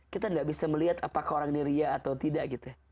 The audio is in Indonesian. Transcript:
kita tidak bisa melihat apakah orang ini ria atau tidak gitu ya